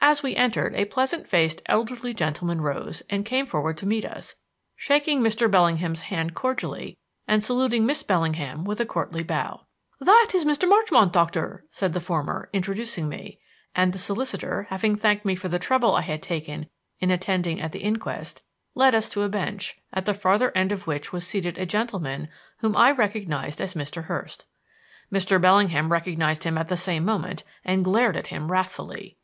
As we entered, a pleasant faced, elderly gentleman rose and came forward to meet us, shaking Mr. Bellingham's hand cordially and saluting Miss Bellingham with a courtly bow. "This is Mr. Marchmont, Doctor," said the former, introducing me; and the solicitor, having thanked me for the trouble I had taken in attending at the inquest, led us to a bench, at the farther end of which was seated a gentleman whom I recognized as Mr. Hurst. Mr. Bellingham recognized him at the same moment and glared at him wrathfully.